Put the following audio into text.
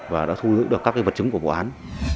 và đã thu giữ được các vật chứng của vụ án